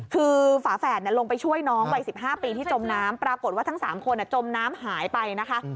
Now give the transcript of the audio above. คือฝาแฝดลงไปช่วยน้องวัย๑๕ปีที่จมน้ำปรากฏว่าทั้ง๓คนจมน้ำหายไปนะคะ